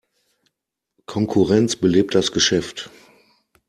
Konkurrenz belebt das Geschäft.